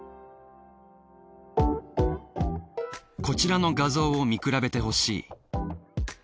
こちらの画像を見比べてほしい。